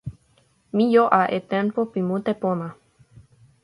mi jo a e tenpo pi mute pona.